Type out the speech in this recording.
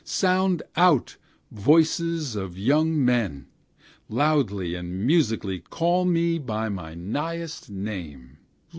Sound out, voices of young men! loudly and musically call me by my nighest name!